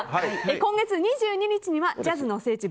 今月２２日にはジャズの聖地